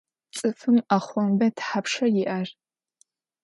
Цӏыфым ӏэхъомбэ тхьапша иӏэр?